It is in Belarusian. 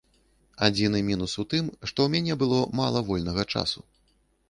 Адзіны мінус у тым, што ў мяне было мала вольнага часу.